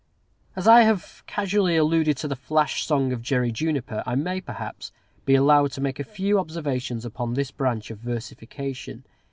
As I have casually alluded to the flash song of Jerry Juniper, I may, perhaps, be allowed to make a few observations upon this branch of versification.